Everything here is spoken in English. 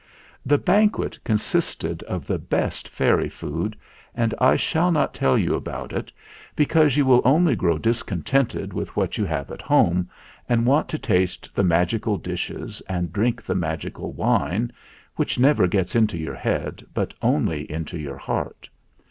The banquet consisted of the best fairy food, and I shall not tell you about it, because you ii8 THE FLINT HEART will only grow discontented with what you have at home and want to taste the magical dishes and drink the magical wine, which never gets into your head, but only into your heart.